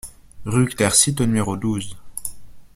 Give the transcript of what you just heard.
Rue Clair Site au numéro douze